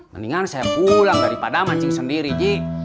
mendingan saya pulang daripada mancing sendiri ji